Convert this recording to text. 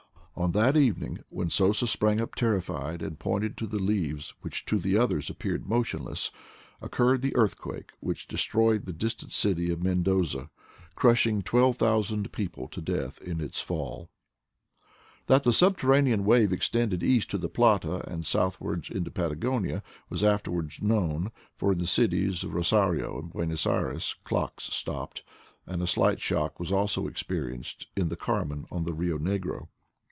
On that evening, when Sosa sprang up terrified and pointed to the leaves which to the others appeared motionless, occurred the earthquake which de stroyed the distant city of Mendoza, crushing 98 IDLE DATS IN PATAGONIA twelve thousand people to death in its fall That the subterranean wave extended east to the Plata, and southwards into Patagonia, was afterwards known, for in the cities of Rosario and Buenos Ayres clocks stopped, and a slight shock was also experienced in the Carmen on the Rio Negro.